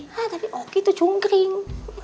hah tapi oki tuh cungkring